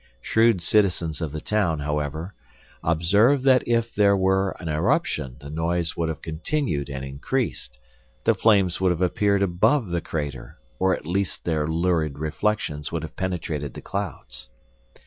Shrewd citizens of the town, however, observed that if there were an eruption the noise would have continued and increased, the flames would have appeared above the crater; or at least their lurid reflections would have penetrated the clouds.